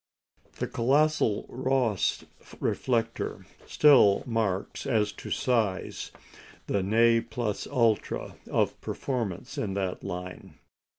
The colossal Rosse reflector still marks, as to size, the ne plus ultra of performance in that line.